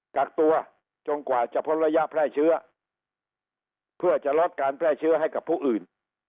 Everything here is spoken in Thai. กักตัวจนกว่าจะพ้นระยะแพร่เชื้อเพื่อจะลดการแพร่เชื้อให้กับผู้อื่น